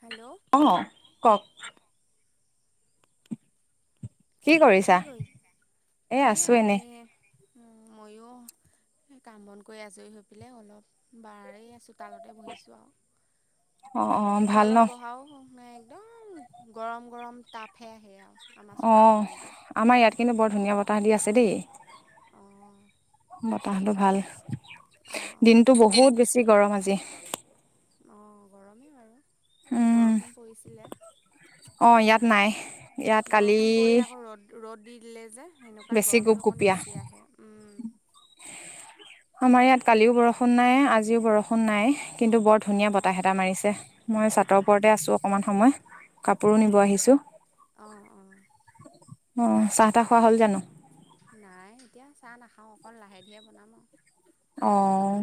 Hello অ, কওক? কি কৰিছা? এ, আছো এনেই। উম, মইও কাম বন কৰি আজৰি হৈ পেলাই অলপ বাৰেই আছো। চোতালতে বহিছোঁ আও অ অ ভাল ন চোতালত বহাও নে একদম গৰম গৰম তাপে আহে আও অহ আমাৰ ইয়াত কিন্তু বৰ ধুনীয়া বতাহ দি আছে দেই। অঁ বতাহতটো ভাল অঁ অঁ দিনতটো বহুত বেছি গৰম আজি। অঁ গৰমেই বাৰু ইয়াত উম বৰষুণ পৰিছিলে অ ইয়াত নাই ইয়াত কালি বৰষুণ পৰি আকৌ ৰ'দ ৰ'দ দি দিলে যে সেনেকুৱাত বেছি গোপ গৰমটো অকণ গোপীয়া বেছি আহে। উম আমাৰ ইয়াত কালিও বৰষুণ নাই আজিও বৰষুণ নাই। কিন্তু বৰ ধুনীয়া অঁ বতাহ এটা মাৰিছে মই চাটৰ অঁ ওপৰতে আছোঁ অকণমান সময়। কাপোৰো নিব আহিছো অঁহ অঁহ। অ চাহ তাহ খোৱা হ'ল জানো। নাই এতিয়া চাহ নাখাওঁ অকল লাহে ধীৰে বনাম আৰু। অহ।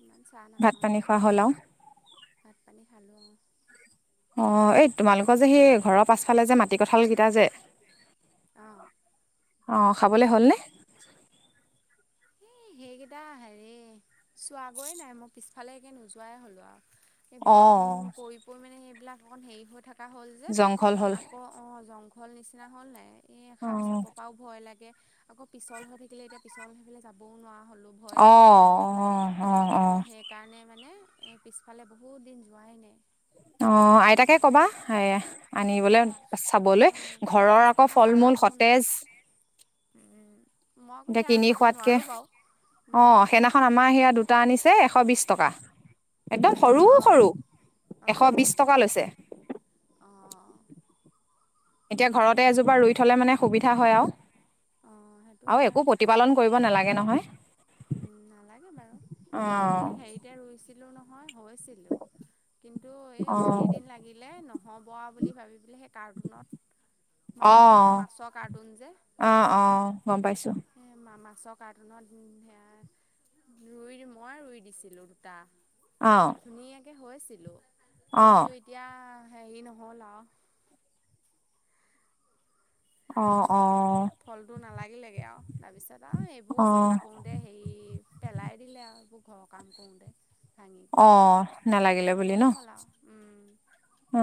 ইমান চাহ ভাত নাখাওঁ পানী নহয় খোৱা হল আও। ভাত পানী খালোঁ। অ এই তোমালোকৰ যে সেই ঘৰৰ পাছফালে যে মাটি কঁঠালকেইটা যে। অহ। অ খাবলৈ হ'লনে? এই সেইকেইটা হেৰি চোৱগৈয়ে নাই মই পিছফালে একে নোযোৱাই হ'লোঁ আৰু। এই বৰষুণ অ', পৰি পৰি মানে সেইবিলাক অকন হেৰি হৈ থাকে। জেকা যে জংঘল হ'ল আকৌ অ জংঘল নিচিনা হ'ল ন এই সাপ অ', চাপৰ পৰাও ভয় লাগে। আকৌ পিছল হৈ থাকিলে এতিয়া পিছল হৈ যাবও নোৱাৰো। অহ অহ মানে অহ সেইকাৰণে অহ। মানে এই পিছফালে বহুত দিন যোৱাই নাই। অ আইতাকে কবা এ আনিবলৈ হয় চাবলৈ উম, ঘৰৰ আকৌ ফল মূল। সতেজ। উম মই আকৌ এতিয়া কিনি খাব খোৱাতকে নোৱাৰো। অ সেইদিনাখন আমাৰ সেয়া দুটা আনিছে এশ বিশ টকা। একদম সৰু অহ, সৰু এশ অহ, বিশ টকা লৈছে। এতিয়া ঘৰতে এজোপা ৰুই থলে মানে সুবিধা হয় আওঁ। অহ। আৰু একো প্ৰতিপালন কৰিব নালাগে নহয়। উম নালাগে বাৰু অ', এই হেৰিতে ৰুইছিলো নহয়। হৈছিলোঁ কিন্তু এই অ', ঢেৰ দিন লাগিলেই নহয়। নহ'ব আও বুলি ভাবি পেলাই সেই কাৰ্টুনত মাতি অ', মাছৰ কাৰ্টুন যে। অ', অ', গম পাইছো। যে মা-মাছৰ কাৰন্টনত সেয়া ৰুই দি মই ৰুই দিছিলো দুটা। অ'। নে হৈছিলো। কিন্তু অ', এতিয়া হেৰি নহ'ল আৰু। অ'-অ'। ফলটো নালাগিল লেগে আৰু তাৰপিছত আৰু এইবোৰ অ', চাফা কৰোতে হেৰি পেলাই দিলে আৰু এইবোৰ ঘৰৰ কাম কৰোঁতে। ভাঙি কৰি অ', নালাগিলে বুলি ভালেই ন? হ'ল আৰু অ'।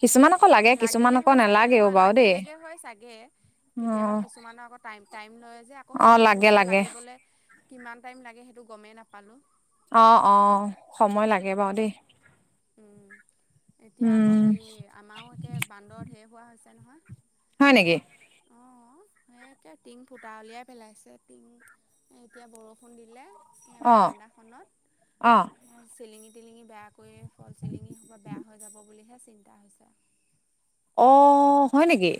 কিছুমান আকৌ লাগে কিছুমান লাগিলে আকো হয় চাগে নালাগেও নহয় বাৰু দেই। লাগিলেগৈ হয় চাগে কেতিয়াবা অ', কিছুমানৰ আকৌ টাইম-টাইম লয় যে আকো অ', সেইটো লাগে বস্তু লাগে। লাগিবলে। কিমান টাইম লাগে সেইটো গমেই নাপালোঁ। অ'-অ', সময় লাগে বাৰু দেই। উম', এতিয়া উম, আকৌ হেৰি আমাৰো একে বান্দৰত ধেৰ হোৱা হৈছে নহয়। হয় নেকি? অ'। একে টিং ফুটা উলিয়াই পেলাইছে টিং, এতিয়া বৰষুণ দিলে এ অ', বাৰা্দা অ', খনত চিলিঙি-টিলিঙি বেয়া কৰি ফল চিলিঙি হুপা বেয়া হৈ যাব বুলিহে চিন্তা হৈছে। অ', হয় নেকি?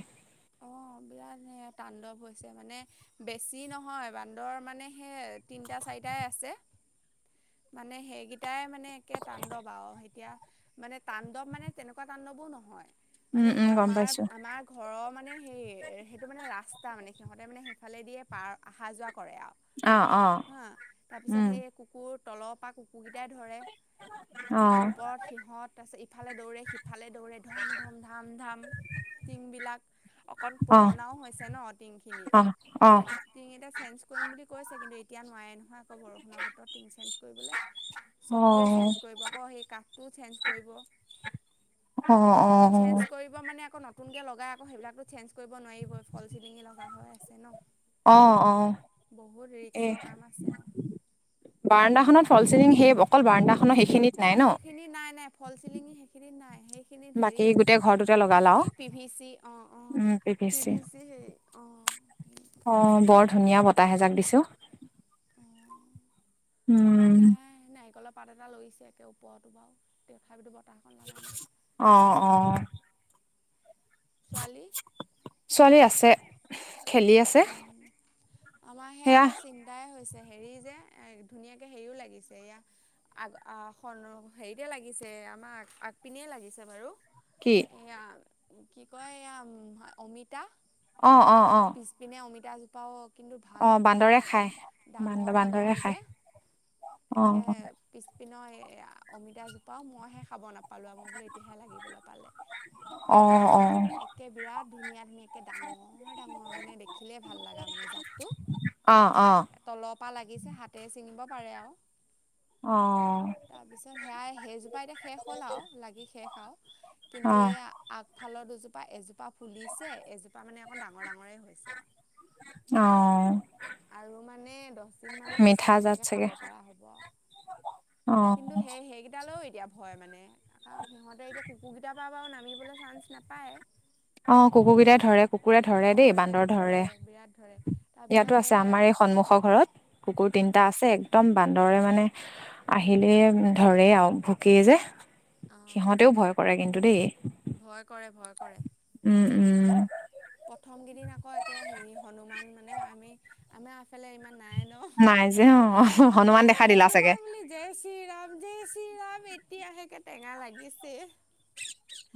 অ' [unintelligible] তাণ্ডৱ হৈছে মানে বেছি নহয় বান্দৰ মানে সেই তিনিটা চাৰিটাই আছে, মানে সেই কেইটাই মানে একে তাণ্ডৱ আৰু এতিয়া মানে তাণ্ডৱ মানে তেনেকুৱা তাণ্ডৱো নহয়। উম, মানে উম, গম পাইছো। আমাৰ-আমাৰ ঘৰৰ মানে মানে সেই সেইটো মানে ৰাস্তা মানে সিহঁতে মানে সেইফালে দিয়ে পাৰ অহা যোৱা কৰে আউ অ', অ', হা? তাৰপিছত উম, সেই কুকুৰ তলৰ পৰা কুক কটাই ধৰে। অ', ওপৰত সিহঁত তাৰছত ইফালে দৌৰে সিফালে দৌৰে ধম-ধম ধাম-ধাম। টিং বিলাক অকণ অ', পুৰণাও হৈছে ন টিং খিনি? অ', অ', টিঙ এটা চেঞ্ কৰিম বুলি কৈছে কিন্তু এতিয়া নোৱাৰে নহয় আকৌ বৰষুণৰ বতৰ তি চেঞ্জ কৰিবলে। চব টোৱে চেঞ্জ অ', কৰিব আকৌ সেই কাঠ টোও চেঞ্জ কৰিব। অ'-অ'-অ'। নতুনকে লগাই আকৌ সেইবিলাকতো চেঞ্জ কৰিব নোৱাৰিবই ফল চিলিঙি লগা হৈ আছে ন? অ'-অ', বহুত এ, ৰিক্সৰ কাম আছে আৰু বাৰাণ্ডাখনত ফলচিলিং সে অকল বাৰাণ্ডা অ', সেইখিনি নাই-নাই ফল চিলিঙি সেইখিনি নাই। সি খিনিত বাকী ধেৰি আছে গোটেই ঘৰটোতে এইটো লগালা আৰু কি পি ভি চি অ'-অ'। পি ভি চি হেই অ'। অ', বৰ ধুনীয়া বতাহ জাক দিছো অ। অ'। আমাৰ নাই নাৰিকলৰ পাত এটা কৰিছে একে ওপৰতো বাৰু, দে খো [unintelligible] অ'-অ'। ছোৱালী? ছোৱালী আছে খেলি আছে উম', আমাৰ সে সেয়া আকৌ চিন্তাই হৈছে হেৰি যে এ, ধুনীয়াকে হেৰিও লাগিছে এয়া আগ আহ, [unintelligible] হেৰিতে লাগি লাগিছে আমাক আগ পিনে লাগিছে বাৰু। কি? এয়া কি কয় এয়া উম, অমিতা অ অ অ আৰু পিছপিনে অমিতা জোপাও কিন্তু ভাল অ খোৱালে বান্দৰে আকৌ, খায় বান্দ বান্দৰে ডাঙৰ-ডাঙৰ খায় যে। অ একে হে পিছপিনৰ এয়া অমিতা জোপাও মইহে খাব নাপাওঁ। পালো আমই বোলে এতিয়াহে লাগিবলৈ পালে হ অ অ একে বিৰাট ধুনীয়া ধুনীয়া একে ডাঙৰ ডাঙৰ মানে দেখিলে ভাল লগা মানে জাতটো। অ অ তলৰ পৰা লাগিছে হাতেৰে ছিঙিব পাৰে আও। অঁ তাৰ পিছত সেয়াই সেইজোপা এতিয়া শেষ হ'ল আও লাগি শেষ আও কিন্তু এইয়া আগফালৰ দুজো- জোপা এজোপা ফুলিছে এজোপা মানে অকৌ ডাঙৰ ডাঙৰে হৈছে আও অ আৰু মানে দছ দিন মানৰ পিছত মিঠা ধুনীয়াকে খাব পৰা হ'ব আও। অঁ এতিয়া ভয় মানে কাৰণ সিহঁতে এতিয়া কুকুৰ কেইটাৰ পৰা বাৰু নামিবলৈ চান্স নাপায়। অঁ কুকুৰকেইটাই ধৰে কুকুৰে ধৰে দেই বান্দৰ ধৰে বিৰাট ধৰে ইয়াত। তাৰপিছত আছে সেয়া আমাৰ এই সন্মুখৰ ঘৰত কুকুৰ তিনিটা আছে একদম বান্দৰ মানে আহিলেই ধৰে আৰু ভুকেই যে। অঁ সিহঁতেও ভয় কৰে কিন্তু দেই। ভয় কৰে ভয় কৰে উম উম প্ৰথম কেইদিন আকৌ একে হেৰি হনুমান মানে আমি আমাৰ এফালে ইমান নাই ন নাই যে অ অ হনুমান দেখাই দিলা চাগে। হনুমান বুলি জয় শ্ৰীৰাম জয় চি ৰাম এতিয়া সেকে টেঙা লাগিছে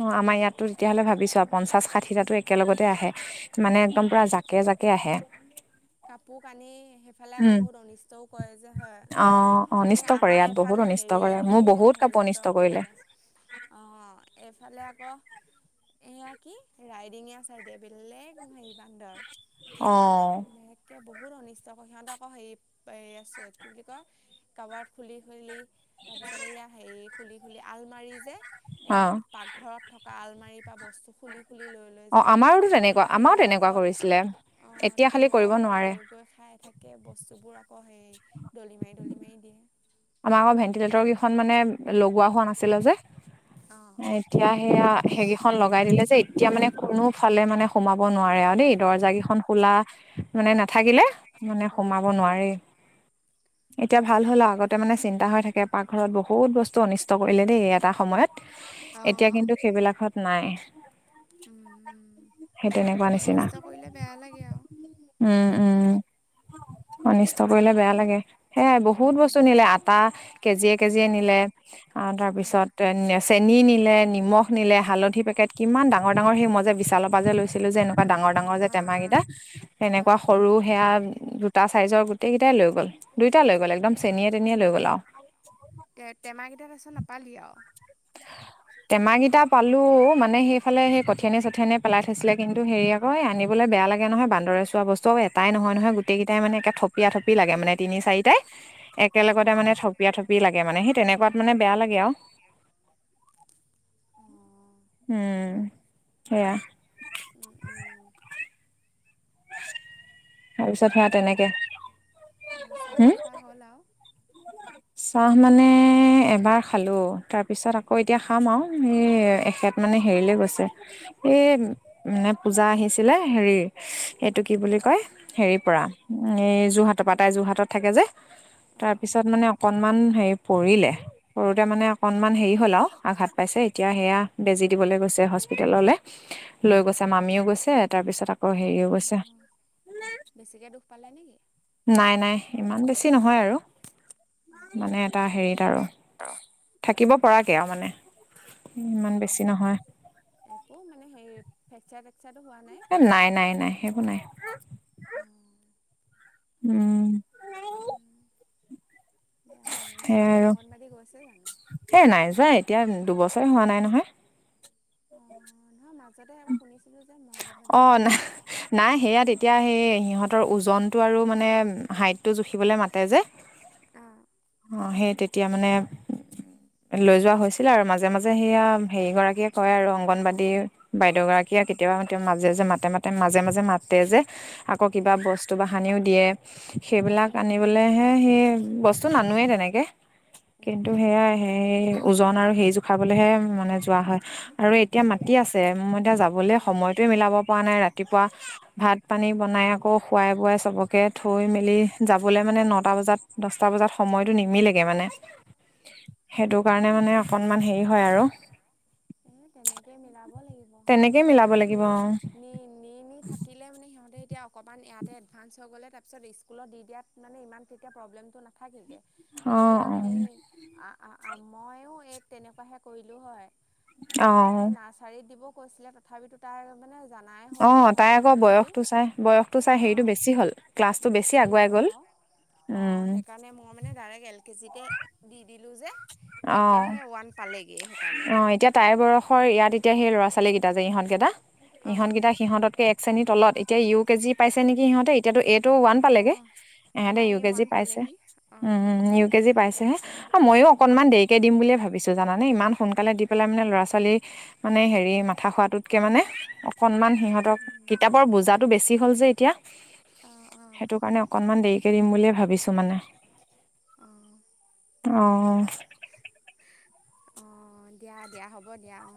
অ আমাৰ ইয়াতো তেতিয়াহ'লে ভাবি চোৱা পঞ্চাশ ষাঠিটাতো একেলগতে আহে মানে একদম পূৰা জাকে জাকে আহে কাপোৰ কানি সেইফালে আকৌ উম বহুত অনিষ্টও কয় যে হয় অ এ অনিষ্ট কৰে আমাৰ ইয়াত এফালে বহুত অনিষ্ট হেৰি কৰে মোৰ এইয়া বহুত কাপোৰ হেৰিহঁতৰ অনিষ্ট কৰিলে। ফালে অ এইফালে আকৌ এয়া কি ৰাইডিঙীয়া চাইডে বিললে হেৰি বান্দৰ অ মেকে বুত বহুত অনিষ্ট ক সিহঁত আকৌ হেৰি হেৰি আছে কি বুলি কয় কাবাত খুলি খুলি তাৰ পিছত এইয়া হেৰি খুলি খুলি আলমাৰি যে এ অ পাকঘৰত থকা আল মাৰি পা বস্তু খুলি খুলি লৈ লৈ অ যায় আকৌ। আমাৰোতো তেনেকুৱা আমাৰো টিঙৰ তেনেকুৱা ওপৰত কৰিছিলে অ এতিয়া খালি টিঙৰ কৰিব ওপৰত নোৱাৰে গৈ গৈ খাই থাকে বস্তু। বস্তু বোৰ আকৌ সেই দলিমাৰি দলিমাৰি দিয়ে আমাৰ আকৌ ভেন্টিলেটৰ কেইখন মানে লগোৱা হোৱা নাছিলে যে অ', এতিয়া সেয়া সেইকেইখন লগাই দিলে যে এতিয়া মানে কোনো ফালে মানে সোমাব নোৱাৰে আৰু দেই দৰ্জা কেইখন খোলা মানে নাথাকিলে মানে উম, সোমাব নোৱাৰি এতিয়া ভাল হল আগত মানে চিন্তা হৈ থাকে পাকঘৰত বহুত বস্তু অনিষ্ট কৰিলে দেই এটা সময়ত। এতিয়া অ', কিন্তু সেইবিলাকত নাই উম, উম, সেই তেনেকুৱা নিচিনা অনিষ্ট কৰিলে বেয়া লাগে আৰু। উম। উম অনিষ্ট কৰিলে বেয়া লাগে সেয়াই বহুত বস্তু উম আতা কেজিয়ে কেজিয়ে নিলে আ তাৰ অ পিছত চেনি নিলে, নিমখ নিলে, হালধি পেকেট কিমান ডাঙৰ ডাঙৰ সেই মই যে বিশালৰ পাজে লৈছিলোঁ যে এনেকুৱা অ ডাঙৰ ডাঙৰ অ ডাঙৰ যে অ অ টেমাকেইটা অ তেনেকুৱা সৰু সেয়া দুটা চাইজৰ গোটেই কেইটাই লৈ গ'ল। দুইটা লৈ গ'ল একদম চেনিয়ে তেনিয়ে লৈ গ'ল আও তে টেমাকেইটাৰ পাছত নাপালি আও। টেম কিটা পালো মানে সেইফালে সেই কঠিয়ানি চঠিয়ানি পেলাই থৈছিলে কিন্তু হেৰি আক য়ে আনিবলৈ বে- বেয়া লাগে নহয় বান্দৰে চোৱা বস্তু এটাই নহয় নহয় গোটেইকেইাই মানে থপিয়া থপি লাগে মানে তিনি চাৰিটাই অ একেলগতে মানে অ থপিয়া থপি লাগে মানে সেই তেনেকুৱাত মানে বেয়া লাগে আও। উম সেয়া উম উম তাৰপিছত হেয়া তেনেকে চা খোৱা হ'ল আও চাহ মানে এবাৰ খালো তাৰপিছত আকৌ এতিয়া খাম আৰু এই এখেত মান মানে হেৰিলে গৈছে, এই মানে পূজা আহিছিলে হেৰি সেইটো কি বুলি কয় হেৰিপৰা এই যোৰহাটৰ পৰা তাই যোৰহাটত থাকে যে, অঁ অঁ তাৰপিছত মানে অ হে পৰিলে, পৰোতে মানে অকনমান হেৰি হ'ল আৰু আঘাত পাইছে এতিয়া সেয়া বেজি দিবলৈ গৈছে হস্পিতাললে, লৈ গৈছে মামীও গৈছে তাৰপিছত আ অ হেৰিও গৈচে অঁ বেছিকৈ দুখ পালে নেকি নাই নাই ইমান বেছি নহয় আৰু, অঁ অঁ মানে এটা হেৰিত আৰু থাকিব পৰাকে আৰু মানে অঁ ইমান অঁ বেছি অঁ নহয়। একো মানে হেৰি ফ্ৰেকচাৰ টেকচাৰটো হোৱা নাই নাই নাই সেইবোৰ নাই অঁ উম। হে সেয়াই ছোৱালী আৰু অংগনবাড়ী গৈছে জানো? এ নাই যোৱা এতিয়া দুবছৰে হোৱা নাই নহয়। অ নহয় মাজতে এবাৰ শুনিছিলো অ নাই নাই সেয়া তে তিয়া সেই সিহঁতৰ ওজনটো আৰু মানে হাইটটো জুখিবলৈ মাতে যে। অ। অ সেই তেতিয়া মানে লৈ যোৱা হৈছিলে আৰু মাজে মাজে সেয়া হেৰি গৰাকীয়ে কয় আৰু অংগনবাদ়ী বাইদেউ গৰা সেয়া কেতিয়াবা এতিয়া মাজে যে মাতে মাতে মাজে মাজে মাতে যে। আকৌ কিবা উম বস্তু বা সানিও দিয়ে সেইবিলাক উম উম আনিবলেহে সেই বস্তু তো নানোৱে তেনেকে। উম কিন্তু সেয়াই সেই ওজন আৰু সেই জোখালৈহে মানে যোৱা হয় আৰু এতিয়া মাতি আছে এতিয়া যাবলৈ উম সময়টো মিলাব পৰা নাই ৰাতিপুৱা ভাত -পানী বনাই আকৌ খোৱাই বোৱাই চবকে থৈ মেলি যাবলৈ মানে নটা বজাত দশটা বজাত সময়টো নিমিলেগে মানে। সেইটো কাৰণে অঁ মানে অকণমান হেৰি হয় আৰু। এ তেনেকে মিলাব লাগিব। এ তেনেকেই মিলাব মানে লাগিব নি অ। নি নি নি থাকিলে মানে সিহঁতে এতিয়া অকণমান ইয়াতে এডভাঞ্চ হৈ গ'লে তাৰপিছত স্কুলত দি দিয়াত মানে ইমান তেতিয়া প্ৰব্লেমটো নাথাকেগে। তেতিয়া সেই আ আ মইয়ো এক তেনেকুৱাহে কৰিলো হয়। অ অ তাইক সেই নাৰ্চাৰীত দিব কৈছিলে তথাপিতো তাই মানে জানাই অ হ'ল যে তাই ঘৰতে আকৌ গোটেইখিনি, বয়সটো চাই বয়সটো চাই অ হেৰিটো বেছি হ'ল ক্লাছটো বেছি আগুৱাই হ'ল গ'ল আৰু। অ উম সেইকাৰণে মই মানে ডাইৰেক্ট এল কেজিতে দি দিলোঁ যে অ এতিয়া সেই ওৱান পালেগেই সেইকাৰণে অ, এতিয়া তাইৰ বয়সৰ ইয়াত এতিয়া সেই ল'ৰা -ছো ৱালী কেইটা যে ইহঁতকেইটা, অঁ ইহঁতকেইটা সিহঁততকে এক শ্ৰেণী তলত এতিয়া ইউ কেজি পাইছে নেকি সিহঁতে এ এতিয়াতো এ টু ওৱান পালেগে, অঁ ইহঁতে আমাৰ ইউ এই কেজি ওৱান পাইছে, পালেহি অঁ উম ইউ কেজি পাইছেহে। অ ময়ো অকণমান দেৰিকৈ দিম বুলিয়ে ভাবিছোঁ জানানে ইমান সোনকালে দি পেলাই মানে ল'ৰা -ছোৱালী মানে হেৰি মাথা খোৱাটোতকে মানে অকনমান সিহঁতক উম, কিতাপৰ বুজাটো বেছি হ'ল যে এতিয়া অঁ অঁ সেইটো কাৰণে অকনমান দেৰিকে দিম বুলিয়ে ভাবিছো মানে। আহ। অ। অ দিয়া দিয়া হ'ব দিয়া অ।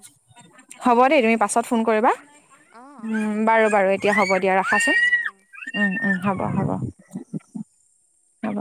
হ'ব দেই তুমি পাছত ফোন কৰিবা, অঁ অঁ উম হ'ব বাৰু বাৰু এতিয়া হ'ব দিয়া ৰাখাচোন। অঁ অঁ হ'ব উম উম হ'ব হ'ব হ'ব।